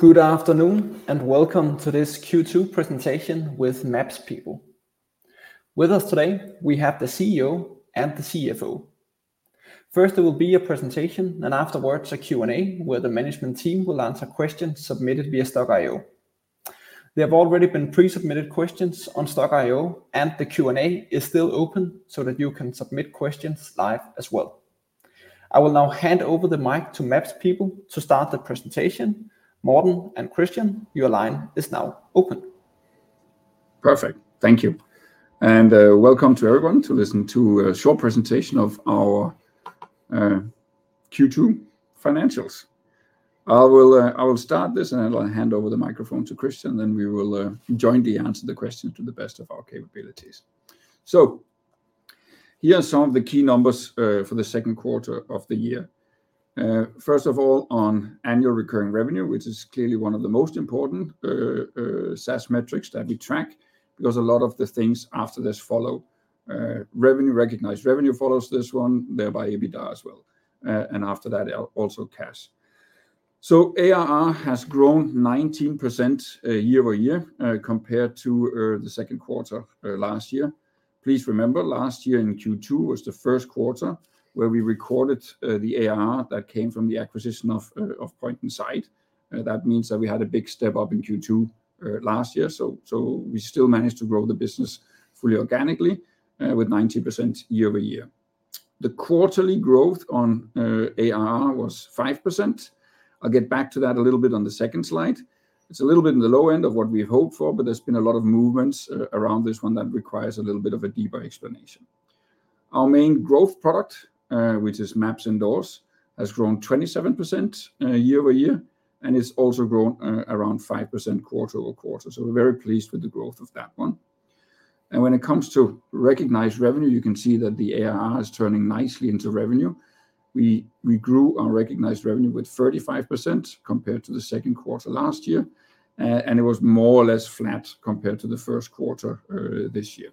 Good afternoon, and welcome to this Q2 presentation with MapsPeople. With us today, we have the CEO and the CFO. First, there will be a presentation, and afterwards, a Q&A, where the management team will answer questions submitted via Stokk.io. There have already been pre-submitted questions on Stokk.io, and the Q&A is still open, so that you can submit questions live as well. I will now hand over the mic to MapsPeople to start the presentation. Morten and Christian, your line is now open. Perfect. Thank you. And welcome to everyone to listen to a short presentation of our Q2 financials. I will start this, and I'll hand over the microphone to Christian, then we will jointly answer the questions to the best of our capabilities. So here are some of the key numbers for the second quarter of the year. First of all, on annual recurring revenue, which is clearly one of the most important SaaS metrics that we track, because a lot of the things after this follow revenue. Recognized revenue follows this one, thereby EBITDA as well, and after that, also cash. So ARR has grown 19%, year over year, compared to the second quarter last year. Please remember, last year in Q2 was the first quarter where we recorded the ARR that came from the acquisition of Point Inside. That means that we had a big step up in Q2 last year, so, so we still managed to grow the business fully organically with 90% year-over-year. The quarterly growth on ARR was 5%. I'll get back to that a little bit on the second slide. It's a little bit in the low end of what we hoped for, but there's been a lot of movements around this one that requires a little bit of a deeper explanation. Our main growth product, which is MapsIndoors, has grown 27% year over year, and it's also grown around 5% quarter-over-quarter. So we're very pleased with the growth of that one. And when it comes to recognized revenue, you can see that the ARR is turning nicely into revenue. We grew our recognized revenue with 35%, compared to the second quarter last year, and it was more or less flat compared to the first quarter this year.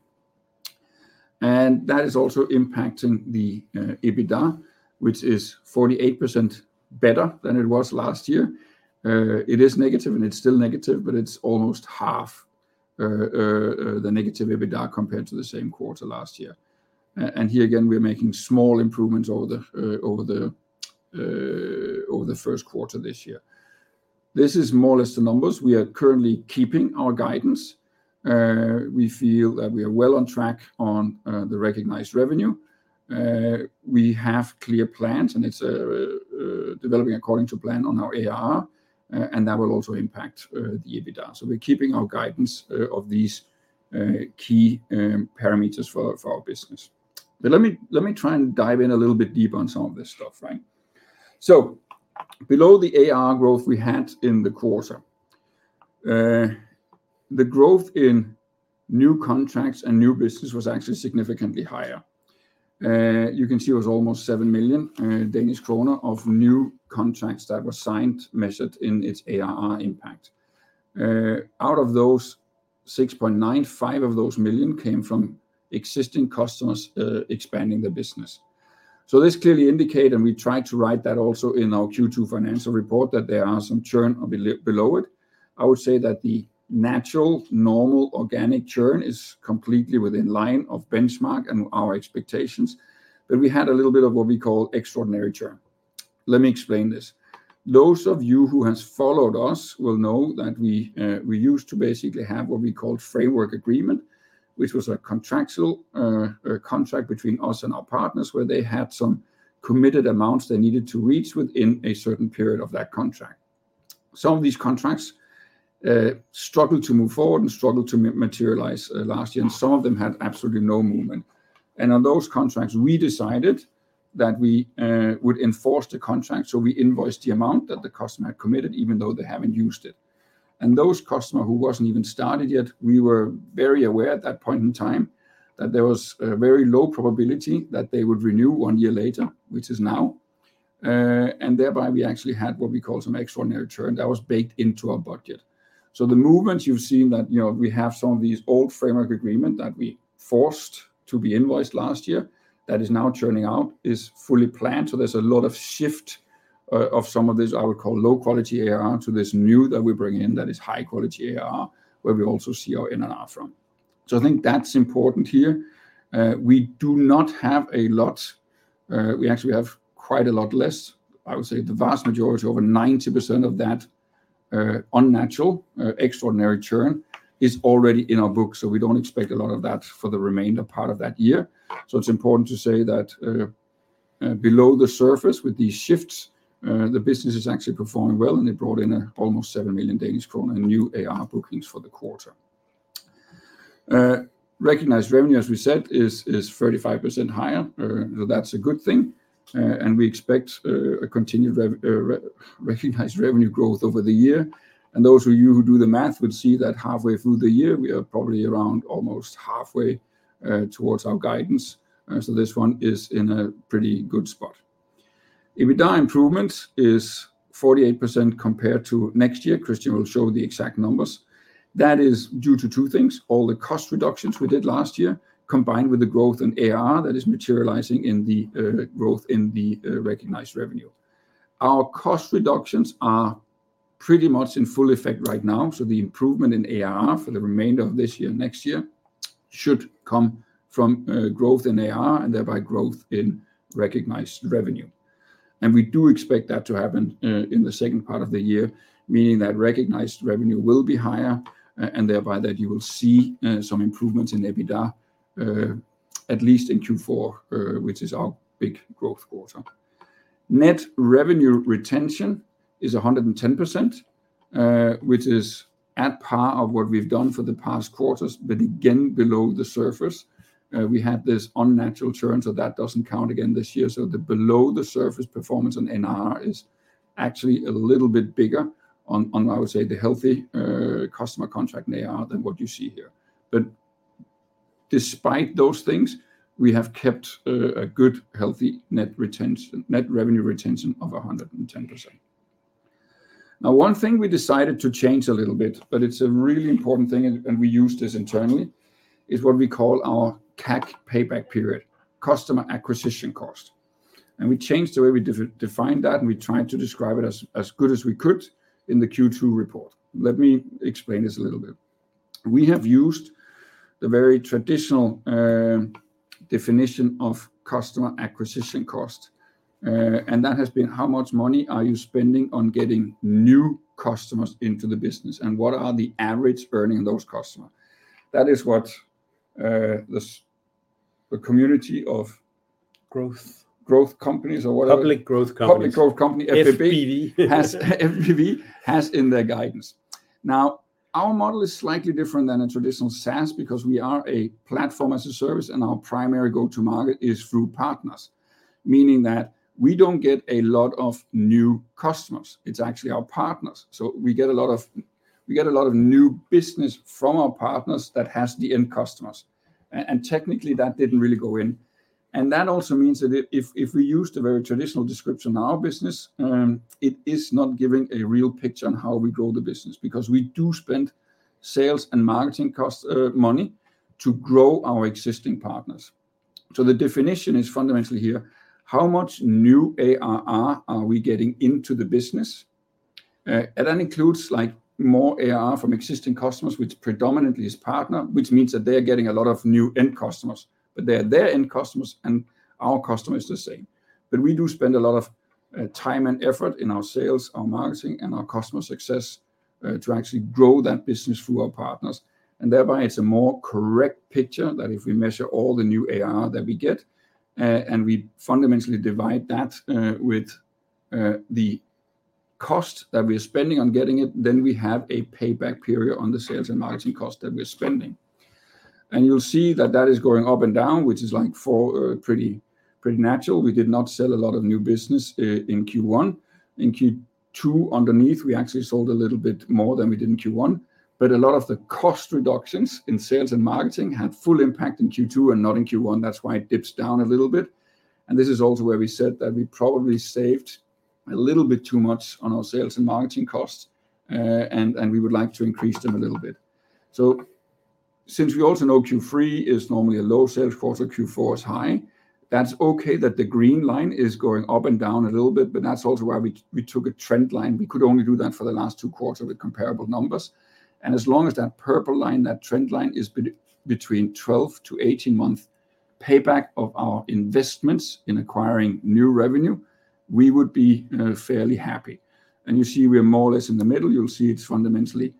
And that is also impacting the EBITDA, which is 48% better than it was last year. It is negative, and it's still negative, but it's almost half the negative EBITDA compared to the same quarter last year. And here again, we're making small improvements over the first quarter this year. This is more or less the numbers. We are currently keeping our guidance. We feel that we are well on track on the recognized revenue. We have clear plans, and it's developing according to plan on our ARR, and that will also impact the EBITDA. So we're keeping our guidance of these key parameters for our business. But let me try and dive in a little bit deeper on some of this stuff, right? So below the ARR growth we had in the quarter, the growth in new contracts and new business was actually significantly higher. You can see it was almost 7 million Danish kroner of new contracts that were signed, measured in its ARR impact. Out of those, 6.95 million came from existing customers expanding their business. So this clearly indicate, and we tried to write that also in our Q2 financial report, that there are some churn below it. I would say that the natural, normal, organic churn is completely within line of benchmark and our expectations, but we had a little bit of what we call extraordinary churn. Let me explain this. Those of you who has followed us will know that we used to basically have what we called framework agreement, which was a contractual a contract between us and our partners, where they had some committed amounts they needed to reach within a certain period of that contract. Some of these contracts struggled to move forward and struggled to materialize last year, and some of them had absolutely no movement, and on those contracts, we decided that we would enforce the contract, so we invoiced the amount that the customer had committed, even though they haven't used it. And those customer who wasn't even started yet, we were very aware at that point in time that there was a very low probability that they would renew one year later, which is now. And thereby, we actually had what we call some extraordinary churn, that was baked into our budget. So the movement you've seen that, you know, we have some of these old framework agreement that we forced to be invoiced last year, that is now churning out, is fully planned. So there's a lot of shift, of some of this, I would call, low-quality ARR to this new that we bring in, that is high quality ARR, where we also see our NRR from. So I think that's important here. We do not have a lot, we actually have quite a lot less. I would say the vast majority, over 90% of that, unnatural, extraordinary churn is already in our books, so we don't expect a lot of that for the remainder part of that year. It's important to say that, below the surface, with these shifts, the business is actually performing well, and it brought in, almost 7 million Danish kroner in new ARR bookings for the quarter. Recognized revenue, as we said, is 35% higher. That's a good thing. We expect a continued recognized revenue growth over the year. Those of you who do the math would see that halfway through the year, we are probably around almost halfway, towards our guidance, so this one is in a pretty good spot. EBITDA improvement is 48% compared to next year. Christian will show the exact numbers. That is due to two things, all the cost reductions we did last year, combined with the growth in ARR that is materializing in the growth in the recognized revenue. Our cost reductions are pretty much in full effect right now, so the improvement in ARR for the remainder of this year, next year, should come from growth in ARR, and thereby growth in recognized revenue. And we do expect that to happen in the second part of the year, meaning that recognized revenue will be higher, and thereby that you will see some improvements in EBITDA at least in Q4, which is our big growth quarter. Net revenue retention is 110%, which is at par of what we've done for the past quarters, but again, below the surface. We had this unnatural churn, so that doesn't count again this year. So the below-the-surface performance on NR is actually a little bit bigger on, I would say, the healthy customer contract than what you see here. But despite those things, we have kept a good, healthy net revenue retention of 110%. Now, one thing we decided to change a little bit, but it's a really important thing, and we use this internally, is what we call our CAC payback period, customer acquisition cost. And we changed the way we defined that, and we tried to describe it as good as we could in the Q2 report. Let me explain this a little bit. We have used the very traditional definition of customer acquisition cost, and that has been how much money are you spending on getting new customers into the business, and what are the average earnings of those customers? That is what the community of Growth growth companies or whatever Public growth companies. Public growth company, BVP. BVP. Has BVP, has in their guidance. Now, our model is slightly different than a traditional SaaS, because we are a platform as a service, and our primary go-to-market is through partners, meaning that we don't get a lot of new customers. It's actually our partners. So we get a lot of new business from our partners that has the end customers, and technically, that didn't really go in. And that also means that if we use the very traditional description of our business, it is not giving a real picture on how we grow the business, because we do spend sales and marketing costs money to grow our existing partners. So the definition is fundamentally here, how much new ARR are we getting into the business? And that includes, like, more ARR from existing customers, which predominantly is partner, which means that they're getting a lot of new end customers, but they're their end customers, and our customer is the same. But we do spend a lot of time and effort in our sales, our marketing, and our customer success to actually grow that business through our partners, and thereby it's a more correct picture that if we measure all the new ARR that we get and we fundamentally divide that with the cost that we are spending on getting it, then we have a payback period on the sales and marketing costs that we're spending. And you'll see that that is going up and down, which is, like, for pretty natural. We did not sell a lot of new business in Q1. In Q2, underneath, we actually sold a little bit more than we did in Q1, but a lot of the cost reductions in sales and marketing had full impact in Q2 and not in Q1. That's why it dips down a little bit, and this is also where we said that we probably saved a little bit too much on our sales and marketing costs, and we would like to increase them a little bit. So since we also know Q3 is normally a low sales quarter, Q4 is high, that's okay that the green line is going up and down a little bit, but that's also why we took a trend line. We could only do that for the last two quarters with comparable numbers, and as long as that purple line, that trend line, is between 12 to 18-month payback of our investments in acquiring new revenue, we would be fairly happy. You see, we are more or less in the middle. You'll see it's fundamentally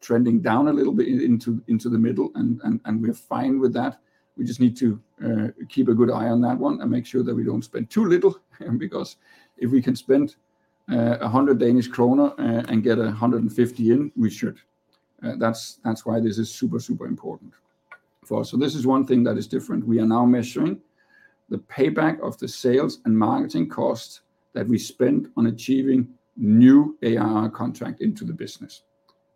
trending down a little bit into the middle, and we're fine with that. We just need to keep a good eye on that one and make sure that we don't spend too little, because if we can spend 100 Danish kroner and get 150 in, we should. That's why this is super important for us. This is one thing that is different. We are now measuring the payback of the sales and marketing costs that we spend on achieving new ARR contract into the business.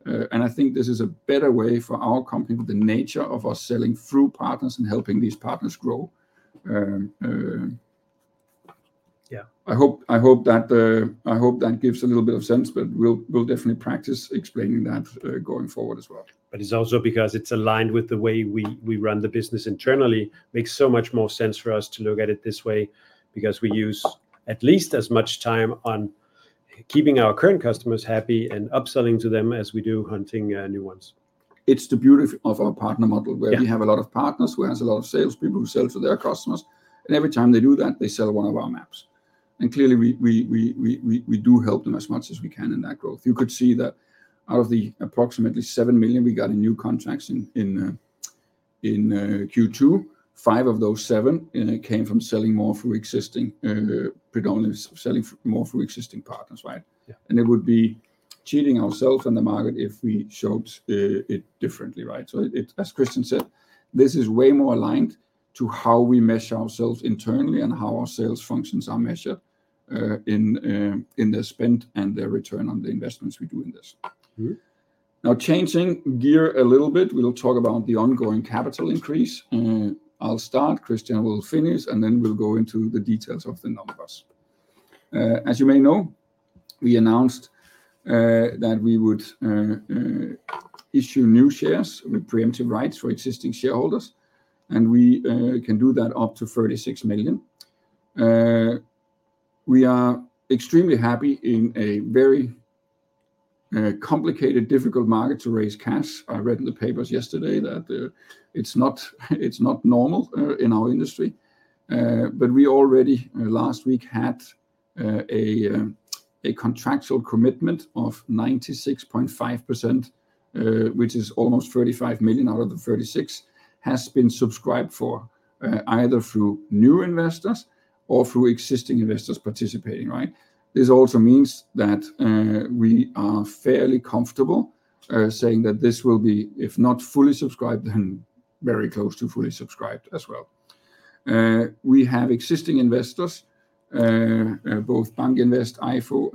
And I think this is a better way for our company, the nature of us selling through partners and helping these partners grow. Yeah. I hope that gives a little bit of sense, but we'll definitely practice explaining that going forward as well. But it's also because it's aligned with the way we run the business internally. Makes so much more sense for us to look at it this way, because we use at least as much time on keeping our current customers happy and upselling to them as we do hunting new ones. It's the beauty of our partner model. Yeah. Where we have a lot of partners who has a lot of salespeople who sell to their customers, and every time they do that, they sell one of our maps. And clearly, we do help them as much as we can in that growth. You could see that out of the approximately 7 million we got in new contracts in Q2, five of those seven came from selling more through existing, predominantly selling more through existing partners, right? Yeah. And it would be cheating ourselves and the market if we showed it differently, right? So, as Christian said, this is way more aligned to how we measure ourselves internally and how our sales functions are measured in their spend and their return on the investments we do in this. Mm-hmm. Now, changing gear a little bit, we'll talk about the ongoing capital increase. I'll start, Christian will finish, and then we'll go into the details of the numbers. As you may know, we announced that we would issue new shares with preemptive rights for existing shareholders, and we can do that up to 36 million. We are extremely happy in a very complicated, difficult market to raise cash. I read in the papers yesterday that it's not normal in our industry. But we already last week had a contractual commitment of 96.5%, which is almost 35 million out of the 36, has been subscribed for either through new investors or through existing investors participating, right? This also means that, we are fairly comfortable, saying that this will be, if not fully subscribed, then very close to fully subscribed as well. We have existing investors, both BankInvest, IFU,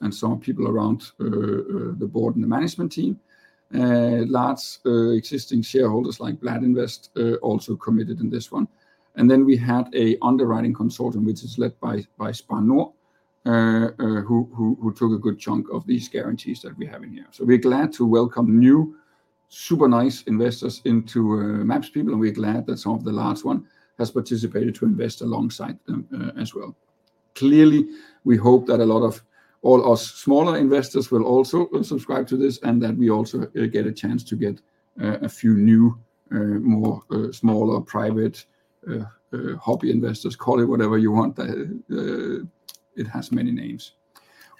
and some people around, the board and the management team. Large, existing shareholders like Bladt Invest, also committed in this one. And then we had a underwriting consortium, which is led by Spar Nord, who took a good chunk of these guarantees that we have in here. So we're glad to welcome new, super nice investors into MapsPeople, and we're glad that some of the last one has participated to invest alongside them, as well. Clearly, we hope that a lot of all our smaller investors will also subscribe to this, and that we also get a chance to get a few new more smaller private hobby investors, call it whatever you want, it has many names.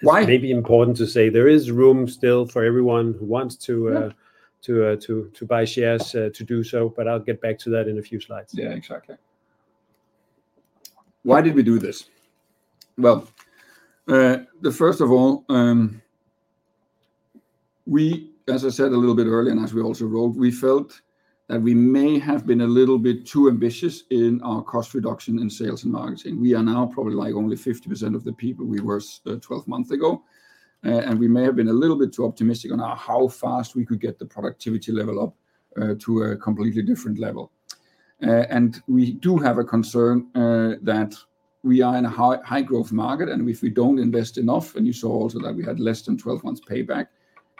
Why It may be important to say there is room still for everyone who wants to. Yeah. to buy shares, to do so, but I'll get back to that in a few slides. Yeah, exactly. Why did we do this? Well, the first of all, we, as I said a little bit earlier, and as we also wrote, we felt that we may have been a little bit too ambitious in our cost reduction in sales and marketing. We are now probably like only 50% of the people we were twelve months ago. And we may have been a little bit too optimistic on how fast we could get the productivity level up to a completely different level. And we do have a concern that we are in a high growth market, and if we don't invest enough, and you saw also that we had less than 12 months payback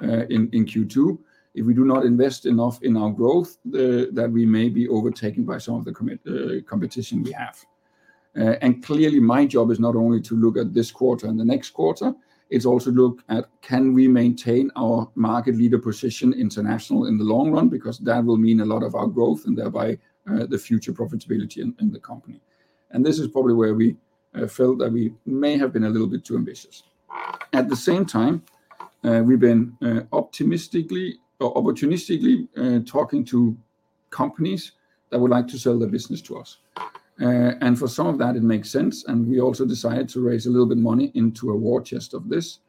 in Q2. If we do not invest enough in our growth, then we may be overtaken by some of the competition we have. And clearly, my job is not only to look at this quarter and the next quarter, it's also look at can we maintain our market leader position international in the long run, because that will mean a lot of our growth and thereby, the future profitability in the company. And this is probably where we felt that we may have been a little bit too ambitious. At the same time, we've been optimistically or opportunistically talking to companies that would like to sell their business to us. And for some of that, it makes sense, and we also decided to raise a little bit money into a war chest of this,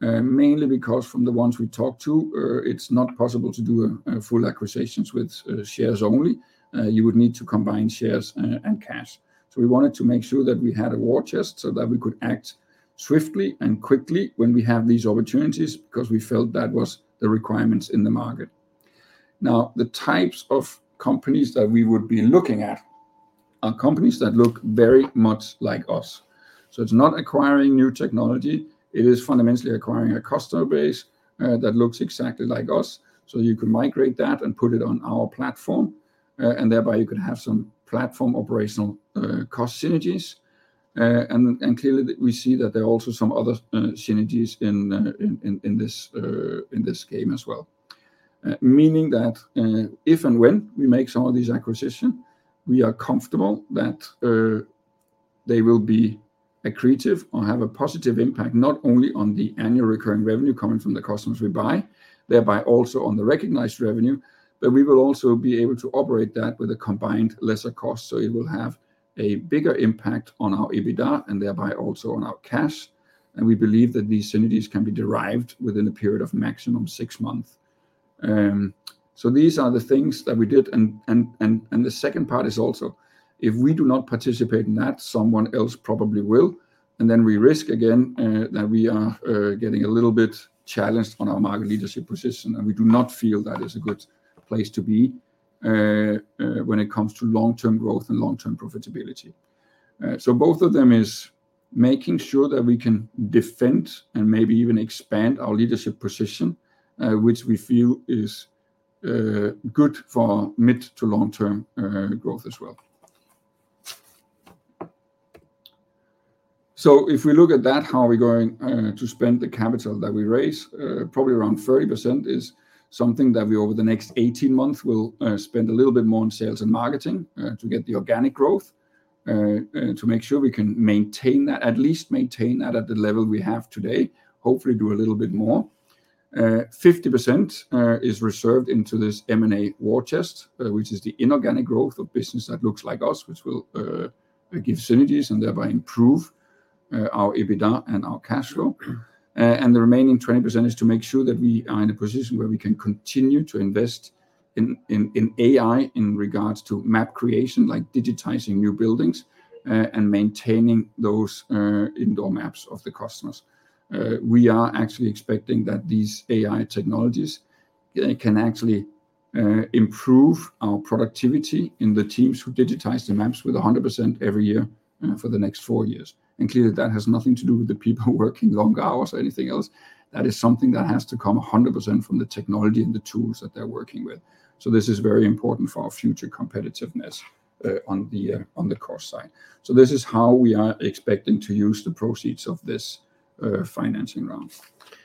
mainly because from the ones we talked to, it's not possible to do a full acquisitions with, shares only. You would need to combine shares, and cash. So we wanted to make sure that we had a war chest so that we could act swiftly and quickly when we have these opportunities, because we felt that was the requirements in the market. Now, the types of companies that we would be looking at are companies that look very much like us. So it's not acquiring new technology, it is fundamentally acquiring a customer base, that looks exactly like us. So you can migrate that and put it on our platform, and thereby you can have some platform operational cost synergies, and clearly, we see that there are also some other synergies in this game as well, meaning that if and when we make some of these acquisition, we are comfortable that they will be accretive or have a positive impact, not only on the annual recurring revenue coming from the customers we buy, thereby also on the recognized revenue, but we will also be able to operate that with a combined lesser cost, so it will have a bigger impact on our EBITDA, and thereby also on our cash, and we believe that these synergies can be derived within a period of maximum six months. so these are the things that we did, and the second part is also if we do not participate in that, someone else probably will, and then we risk again that we are getting a little bit challenged on our market leadership position, and we do not feel that is a good place to be when it comes to long-term growth and long-term profitability, so both of them is making sure that we can defend and maybe even expand our leadership position, which we feel is good for mid to long-term growth as well, so if we look at that, how are we going to spend the capital that we raise? Probably around 30% is something that we, over the next 18 months, will spend a little bit more on sales and marketing, to get the organic growth, to make sure we can maintain that, at least maintain that at the level we have today. Hopefully do a little bit more. Fifty percent is reserved into this M&A war chest, which is the inorganic growth of business that looks like us, which will give synergies and thereby improve our EBITDA and our cash flow, and the remaining 20% is to make sure that we are in a position where we can continue to invest in AI in regards to map creation, like digitizing new buildings, and maintaining those indoor maps of the customers. We are actually expecting that these AI technologies can actually improve our productivity in the teams who digitize the maps with 100% every year for the next four years. And clearly, that has nothing to do with the people working longer hours or anything else. That is something that has to come 100% from the technology and the tools that they're working with. So this is very important for our future competitiveness on the cost side. So this is how we are expecting to use the proceeds of this financing round.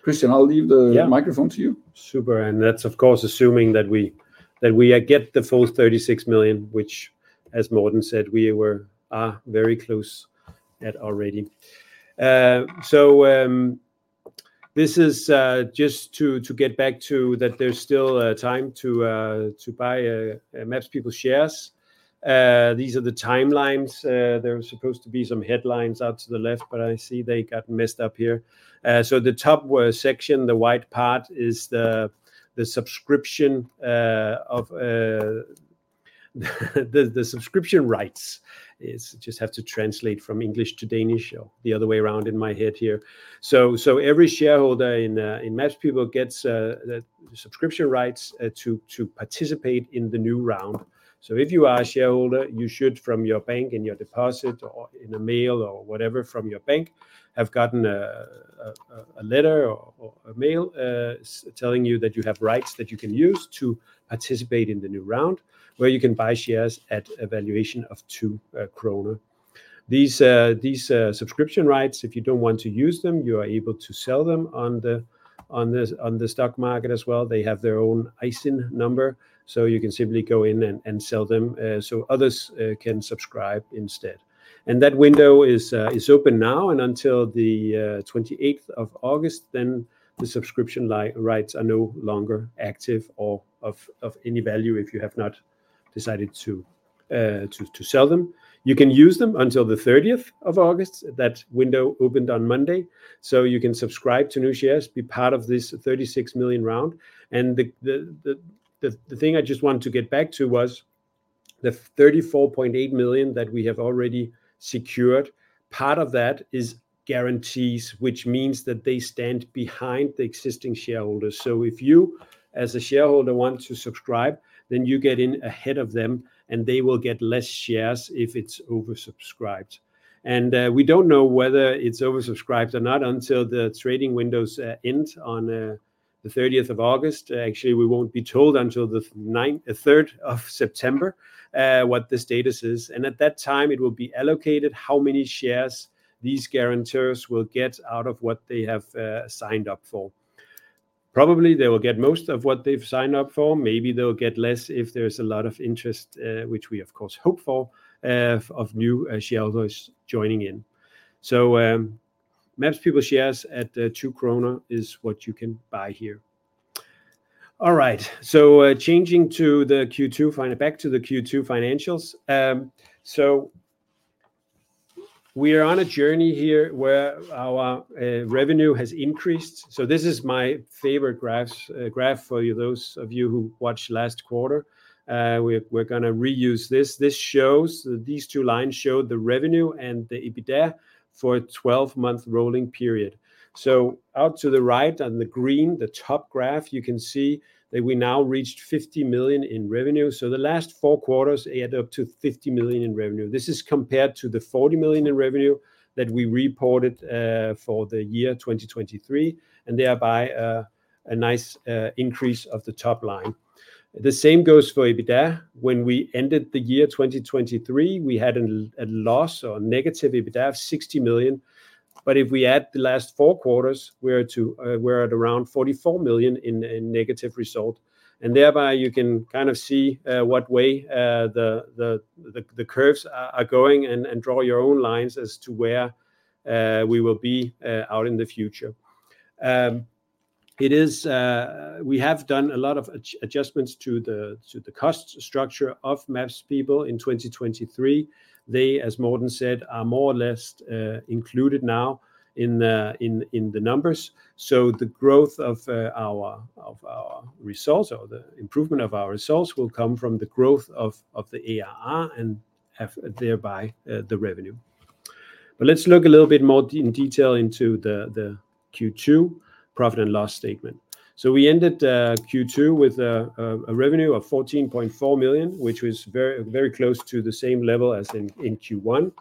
Christian, I'll leave the Yeah. microphone to you. Super, and that's of course, assuming that we get the full 36 million, which, as Morten said, we are very close already. So, this is just to get back to that there's still time to buy MapsPeople shares. These are the timelines. There are supposed to be some headlines out to the left, but I see they got messed up here. So the top section, the white part, is the subscription of the subscription rights. I just have to translate from English to Danish, or the other way around in my head here. So every shareholder in MapsPeople gets the subscription rights to participate in the new round. So if you are a shareholder, you should from your bank, in your deposit, or in a mail, or whatever, from your bank, have gotten a letter or a mail telling you that you have rights that you can use to participate in the new round, where you can buy shares at a valuation of 2 kroner. These subscription rights, if you don't want to use them, you are able to sell them on the stock market as well. They have their own ISIN number, so you can simply go in and sell them so others can subscribe instead. And that window is open now, and until the 28th of August. Then the subscription rights are no longer active or of any value if you have not decided to sell them. You can use them until the thirtieth of August. That window opened on Monday, so you can subscribe to new shares, be part of this 36 million round. And the thing I just wanted to get back to was the 34.8 million that we have already secured. Part of that is guarantees, which means that they stand behind the existing shareholders. So if you, as a shareholder, want to subscribe, then you get in ahead of them, and they will get less shares if it is oversubscribed. We don't know whether it's oversubscribed or not until the trading windows end on the thirtieth of August. Actually, we won't be told until the third of September what the status is, and at that time, it will be allocated how many shares these guarantors will get out of what they have signed up for. Probably, they will get most of what they've signed up for. Maybe they'll get less if there's a lot of interest, which we, of course, hope for, of new shareholders joining in. MapsPeople shares at 2 kroner is what you can buy here. All right, changing back to the Q2 financials. We are on a journey here where our revenue has increased. So this is my favorite graph for you, those of you who watched last quarter. We're gonna reuse this. These two lines show the revenue and the EBITDA for a 12-month rolling period. So out to the right, on the green, the top graph, you can see that we now reached 50 million in revenue. The last four quarters add up to 50 million in revenue. This is compared to the 40 million in revenue that we reported for the year 2023, and thereby a nice increase of the top line. The same goes for EBITDA. When we ended the year 2023, we had a loss or negative EBITDA of 60 million, but if we add the last 4 quarters, we're at around 44 million in negative result, and thereby, you can kind of see what way the curves are going and draw your own lines as to where we will be out in the future. It is. We have done a lot of adjustments to the cost structure of MapsPeople in 2023. They, as Morten said, are more or less included now in the numbers. So the growth of our results or the improvement of our results will come from the growth of the ARR and have, thereby, the revenue. But let's look a little bit more in detail into the Q2 profit and loss statement. So we ended Q2 with a revenue of 14.4 million, which was very, very close to the same level as in Q1.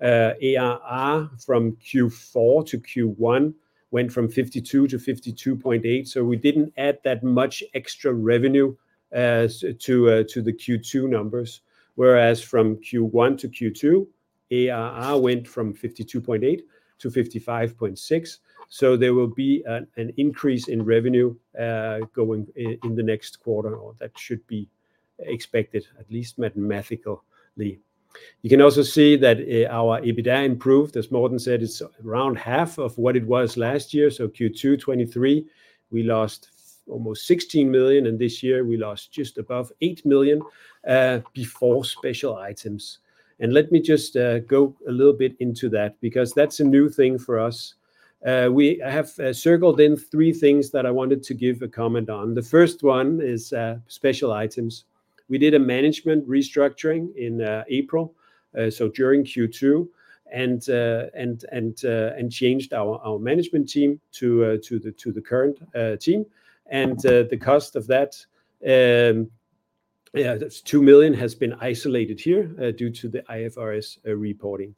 ARR from Q4 to Q1 went from 52 to 52.8, so we didn't add that much extra revenue to the Q2 numbers, whereas from Q1 to Q2, ARR went from 52.8 to 55.6. So there will be an increase in revenue going in the next quarter, or that should be expected, at least mathematically. You can also see that our EBITDA improved. As Morten said, it's around half of what it was last year, so Q2 2023, we lost almost 16 million, and this year, we lost just above 8 million, before special items, and let me just go a little bit into that because that's a new thing for us. I have circled in three things that I wanted to give a comment on. The first one is special items. We did a management restructuring in April, so during Q2, and changed our management team to the current team, and the cost of that, that's 2 million has been isolated here, due to the IFRS reporting.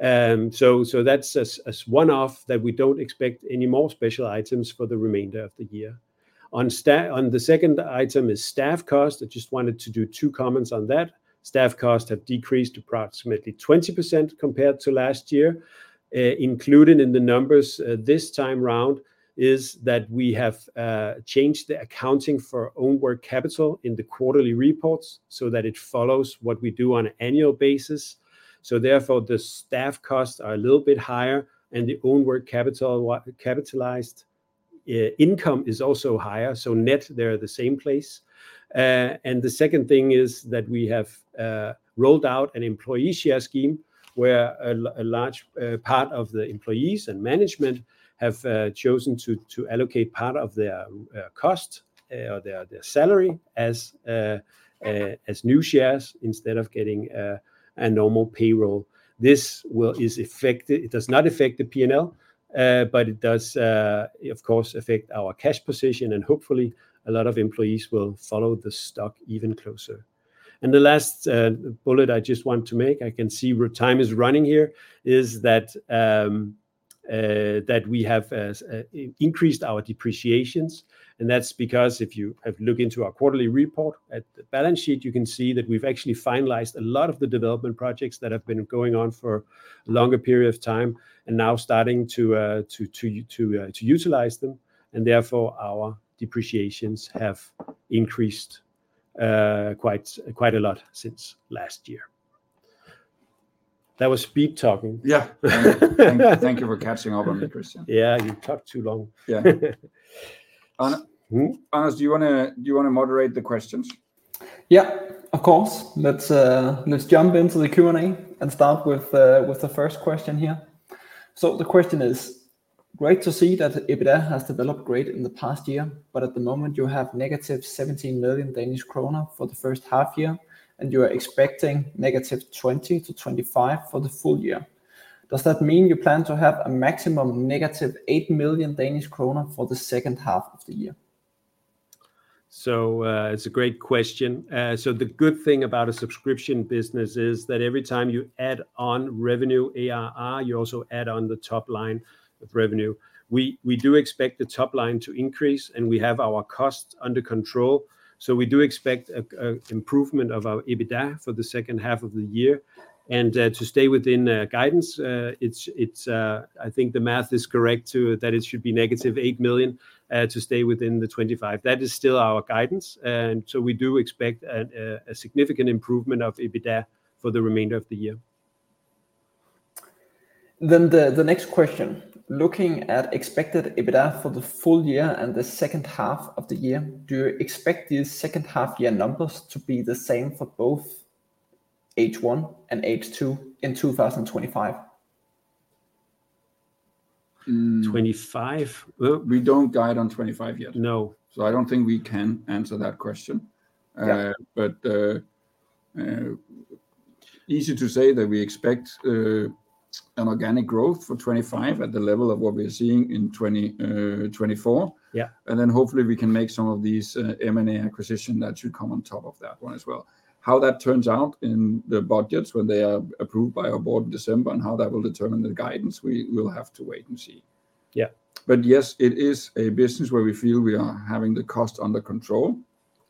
So that's a one-off that we don't expect any more special items for the remainder of the year. On the second item is staff cost. I just wanted to do two comments on that. Staff costs have decreased to approximately 20% compared to last year. Included in the numbers this time round is that we have changed the accounting for own work capital in the quarterly reports so that it follows what we do on an annual basis. So therefore the staff costs are a little bit higher and the own work capital capitalized income is also higher. So net they're the same place. and the second thing is that we have rolled out an employee share scheme, where a large part of the employees and management have chosen to allocate part of their cost or their salary as new shares instead of getting a normal payroll. It does not affect the P&L, but it does, of course, affect our cash position, and hopefully a lot of employees will follow the stock even closer. And the last bullet I just want to make, I can see time is running here, is that we have increased our depreciations. That's because if you have looked into our quarterly report, at the balance sheet, you can see that we've actually finalized a lot of the development projects that have been going on for a longer period of time, and now starting to utilize them, and therefore, our depreciations have increased quite a lot since last year. That was speed talking. Yeah. Thank you for catching up on me, Christian. Yeah, you talked too long. Yeah. Anders Mm-hmm. Anders, do you wanna moderate the questions? Yeah, of course. Let's jump into the Q&A, and start with the first question here. So the question is: Great to see that EBITDA has developed great in the past year, but at the moment you have negative 17 million Danish krone for the first half year, and you are expecting negative 20 to 25 million for the full year. Does that mean you plan to have a maximum negative 8 million Danish krone for the second half of the year? It's a great question. The good thing about a subscription business is that every time you add on revenue, ARR, you also add on the top line with revenue. We do expect the top line to increase, and we have our costs under control, so we do expect an improvement of our EBITDA for the second half of the year. To stay within the guidance, I think the math is correct, too, that it should be negative eight million to stay within the 2025. That is still our guidance, and so we do expect a significant improvement of EBITDA for the remainder of the year. Then the next question: Looking at expected EBITDA for the full year and the second half of the year, do you expect the second half year numbers to be the same for both H1 and H2 in two thousand and 2025? 2025? We don't guide on 2025 yet. No. So I don't think we can answer that question. But, easy to say that we expect an organic growth for 2025 at the level of what we are seeing in 2024. Yeah. And then hopefully we can make some of these, M&A acquisition that should come on top of that one as well. How that turns out in the budgets when they are approved by our board in December, and how that will determine the guidance, we will have to wait and see. Yeah. But yes, it is a business where we feel we are having the cost under control,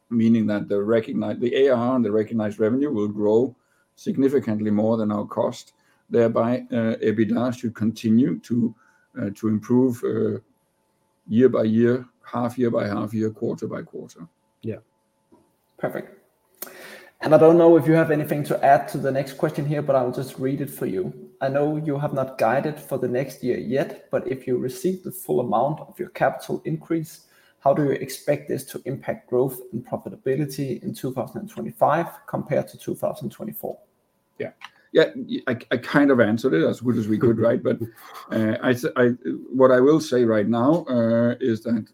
meaning that the recognized the ARR and the recognized revenue will grow significantly more than our cost. Thereby, EBITDA should continue to improve year by year, half year by half year, quarter by quarter. Yeah. Perfect. And I don't know if you have anything to add to the next question here, but I will just read it for you. I know you have not guided for the next year yet, but if you receive the full amount of your capital increase, how do you expect this to impact growth and profitability in 2025 compared to 2024? Yeah. Yeah, I kind of answered it as good as we could, right? But, what I will say right now is that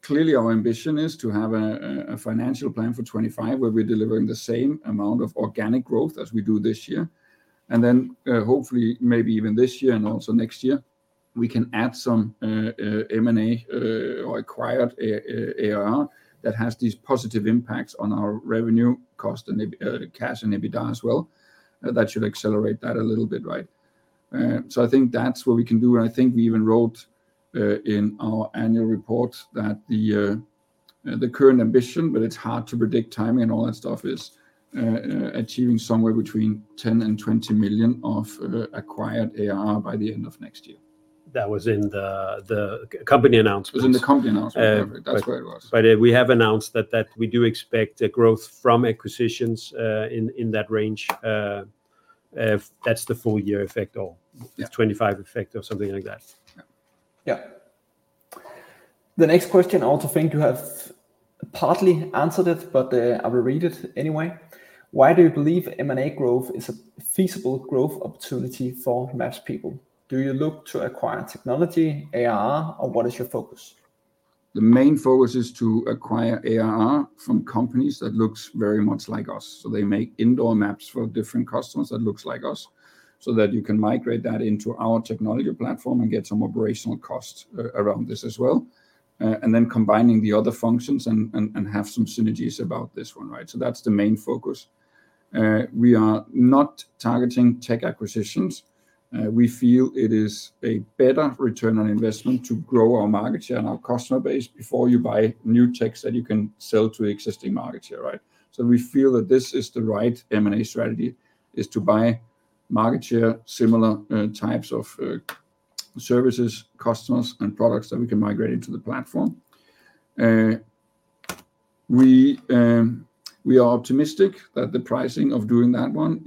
clearly our ambition is to have a financial plan for twenty-five, where we're delivering the same amount of organic growth as we do this year. And then, hopefully, maybe even this year and also next year, we can add some M&A or acquired ARR that has these positive impacts on our revenue, cost, and EBITDA, cash and EBITDA as well. That should accelerate that a little bit, right? So I think that's what we can do. I think we even wrote in our annual report that the current ambition, but it's hard to predict timing and all that stuff, is achieving somewhere between 10 and 20 million of acquired ARR by the end of next year. That was in the company announcement. It was in the company announcement. That's where it was. But, we have announced that we do expect a growth from acquisitions, in that range. That's the full year effect or the twenty-five effect or something like that. Yeah. Yeah. The next question, I also think you have partly answered it, but, I will read it anyway. Why do you believe M&A growth is a feasible growth opportunity for MapsPeople? Do you look to acquire technology, ARR, or what is your focus? The main focus is to acquire ARR from companies that looks very much like us, so they make indoor maps for different customers that looks like us, so that you can migrate that into our technology platform and get some operational costs around this as well. And then combining the other functions and have some synergies about this one, right, so that's the main focus. We are not targeting tech acquisitions. We feel it is a better return on investment to grow our market share and our customer base before you buy new techs that you can sell to existing market share, right, so we feel that this is the right M&A strategy, is to buy market share, similar types of services, customers, and products that we can migrate into the platform. We are optimistic that the pricing of doing that one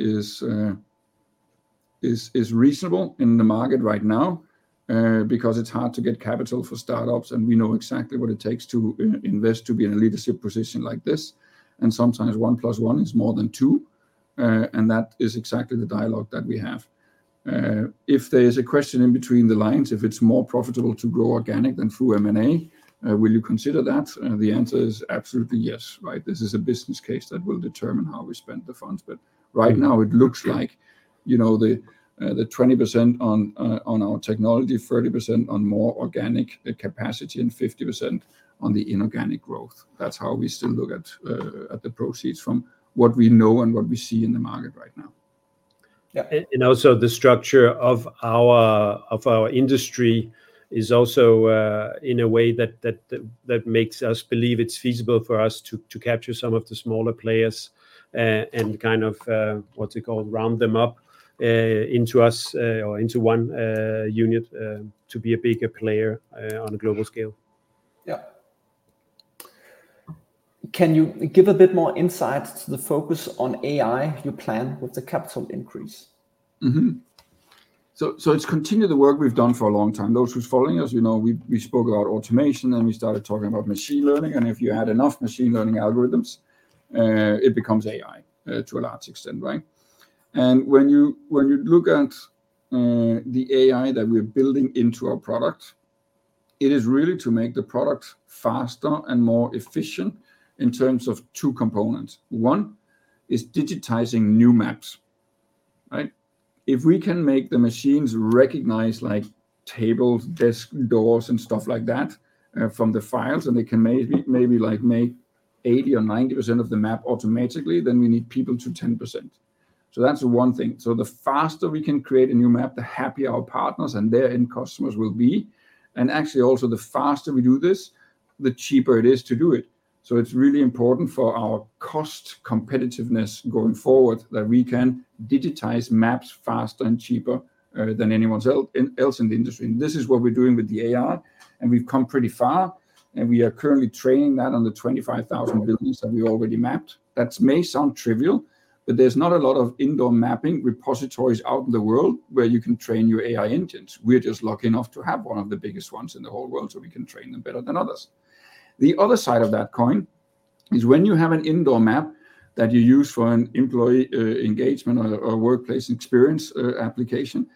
is reasonable in the market right now, because it's hard to get capital for startups, and we know exactly what it takes to invest to be in a leadership position like this. Sometimes one plus one is more than two, and that is exactly the dialogue that we have. If there is a question in between the lines, if it's more profitable to grow organic than through M&A, will you consider that? The answer is absolutely yes, right? This is a business case that will determine how we spend the funds, but right now it looks like, you know, the 20% on our technology, 30% on more organic capacity, and 50% on the inorganic growth. That's how we still look at the proceeds from what we know and what we see in the market right now. Yeah, and also the structure of our industry is also in a way that makes us believe it's feasible for us to capture some of the smaller players, and kind of what you call round them up into us or into one unit to be a bigger player on a global scale. Yeah. Can you give a bit more insight to the focus on AI you plan with the capital increase? So it's continued the work we've done for a long time. Those who's following us, you know, we spoke about automation, and we started talking about machine learning, and if you add enough machine learning algorithms, it becomes AI, to a large extent, right? And when you look at the AI that we're building into our product, it is really to make the product faster and more efficient in terms of two components. One is digitizing new maps, right? If we can make the machines recognize like tables, desks, doors, and stuff like that from the files, and they can maybe like make 80% or 90% of the map automatically, then we need people to 10%. So that's one thing. The faster we can create a new map, the happier our partners and their end customers will be. And actually, also, the faster we do this, the cheaper it is to do it. It's really important for our cost competitiveness going forward, that we can digitize maps faster and cheaper than anyone else in the industry. And this is what we're doing with the AI, and we've come pretty far, and we are currently training that on the 25,000 buildings that we already mapped. That may sound trivial, but there's not a lot of indoor mapping repositories out in the world where you can train your AI engines. We're just lucky enough to have one of the biggest ones in the whole world, so we can train them better than others. The other side of that coin is when you have an indoor map that you use for an employee engagement or workplace experience application,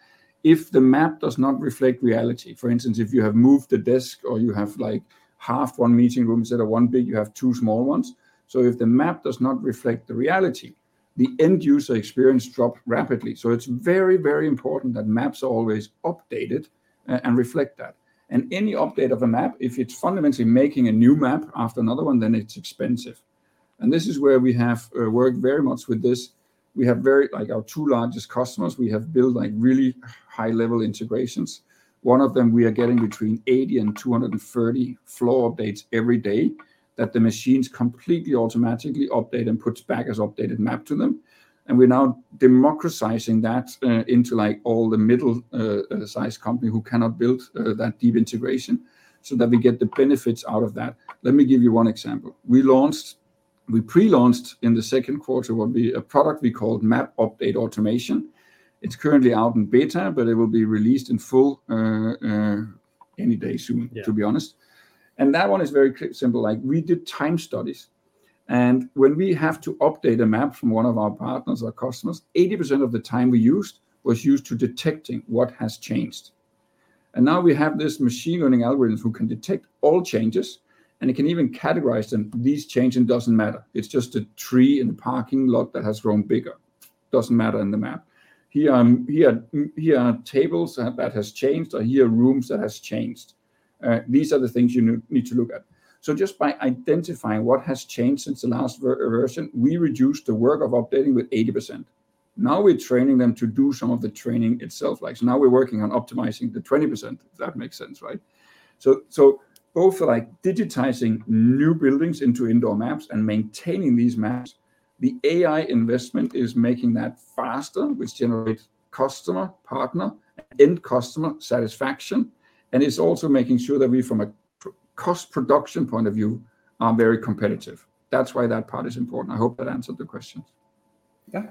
if the map does not reflect reality, for instance, if you have moved a desk or you have, like, half one meeting room, instead of one big, you have two small ones. So if the map does not reflect the reality, the end user experience drops rapidly. So it's very, very important that maps are always updated and reflect that. And any update of a map, if it's fundamentally making a new map after another one, then it's expensive. And this is where we have worked very much with this. We have very like our two largest customers, we have built, like, really high-level integrations. One of them, we are getting between 80 and 230 floor updates every day, that the machines completely automatically update and puts back as updated map to them. And we're now democratizing that, into, like, all the middle size company who cannot build that deep integration, so that we get the benefits out of that. Let me give you one example. We launched, we pre-launched in the second quarter, what we a product we called Map Update Automation. It's currently out in beta, but it will be released in full, any day soon. Yeah. to be honest. That one is very simple, like, we did time studies, and when we have to update a map from one of our partners or customers, 80% of the time we used was used to detecting what has changed. Now we have this machine learning algorithms who can detect all changes, and it can even categorize them. These change, and doesn't matter, it's just a tree in the parking lot that has grown bigger, doesn't matter in the map. Here are tables that has changed, or here are rooms that has changed. These are the things you need to look at. Just by identifying what has changed since the last version, we reduced the work of updating with 80%. Now we're training them to do some of the training itself. Like, so now we're working on optimizing the 20%. That makes sense, right? So both, like, digitizing new buildings into indoor maps and maintaining these maps, the AI investment is making that faster, which generates customer, partner, end customer satisfaction, and it's also making sure that we, from a production cost point of view, are very competitive. That's why that part is important. I hope that answered the questions. Yeah.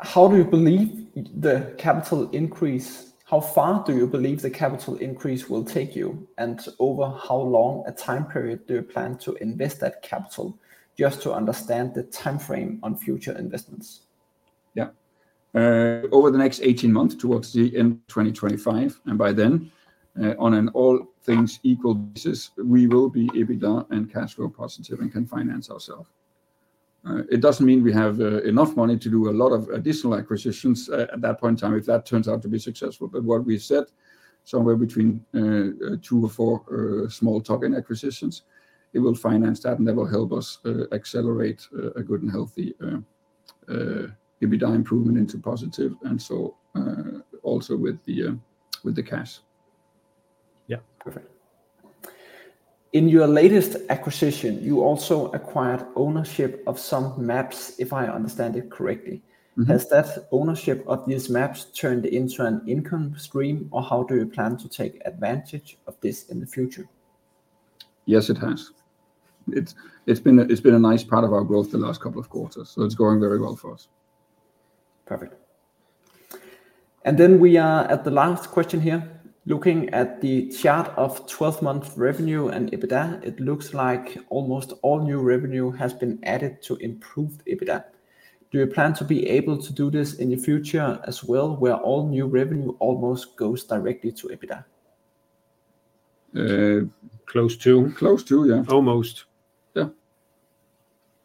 How far do you believe the capital increase will take you, and over how long a time period do you plan to invest that capital? Just to understand the timeframe on future investments. Yeah. Over the next eighteen months, towards the end of 2025, and by then, on an all things equal basis, we will be EBITDA and cash flow positive and can finance ourselve. It doesn't mean we have enough money to do a lot of additional acquisitions at that point in time, if that turns out to be successful. What we said, somewhere between two or four small token acquisitions, it will finance that, and that will help us accelerate a good and healthy EBITDA improvement into positive, and so also with the cash. Yeah, perfect. In your latest acquisition, you also acquired ownership of some maps, if I understand it correctly. Mm-hmm. Has that ownership of these maps turned into an income stream, or how do you plan to take advantage of this in the future? Yes, it has. It's been a nice part of our growth the last couple of quarters, so it's going very well for us. Perfect. And then we are at the last question here. Looking at the chart of twelve-month revenue and EBITDA, it looks like almost all new revenue has been added to improved EBITDA. Do you plan to be able to do this in the future as well, where all new revenue almost goes directly to EBITDA? Close to. Close to, yeah. Almost. Yeah.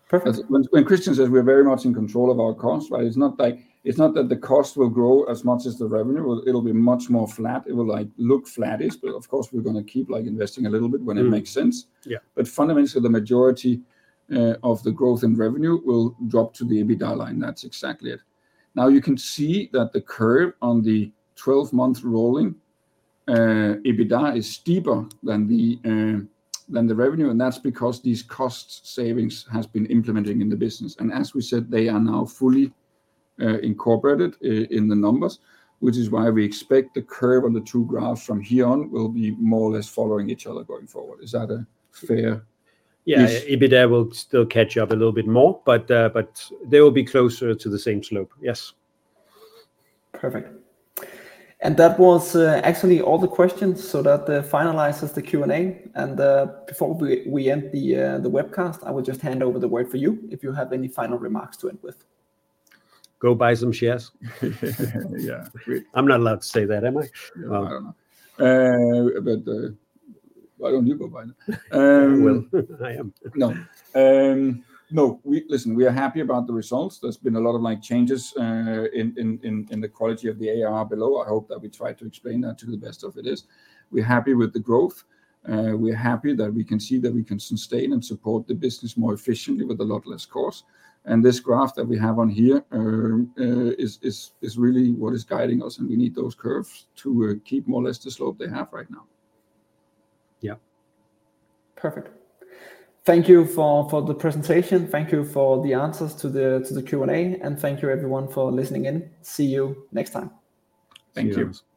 Perfect. When Christian says we're very much in control of our costs, right? It's not like - it's not that the cost will grow as much as the revenue. It'll be much more flat. It will, like, look flattish, but of course, we're gonna keep, like, investing a little bit When it makes sense. Yeah. But fundamentally, the majority of the growth in revenue will drop to the EBITDA line. That's exactly it. Now, you can see that the curve on the 12-month rolling EBITDA is steeper than the revenue, and that's because these cost savings has been implementing in the business. And as we said, they are now fully incorporated in the numbers, which is why we expect the curve on the two graphs from here on will be more or less following each other going forward. Is that a fair- Yeah, EBITDA will still catch up a little bit more, but, but they will be closer to the same slope. Yes. Perfect. And that was actually all the questions, so that finalizes the Q&A. And before we end the webcast, I will just hand over the word for you, if you have any final remarks to end with. Go buy some shares. I'm not allowed to say that, am I? I don't know, but why don't you go buy them? I will. I am. No. No, listen, we are happy about the results. There's been a lot of, like, changes in the quality of the ARR below. I hope that we tried to explain that to the best of it is. We're happy with the growth. We're happy that we can see that we can sustain and support the business more efficiently with a lot less cost. This graph that we have on here is really what is guiding us, and we need those curves to keep more or less the slope they have right now. Yeah. Perfect. Thank you for the presentation. Thank you for the answers to the Q&A, and thank you everyone for listening in. See you next time. Thank you. See you. Bye.